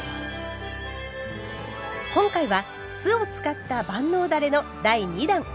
今回は酢を使った万能だれの第２弾。